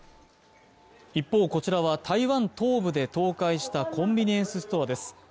一方、こちらは台湾東部で倒壊したコンビニエンスストアです。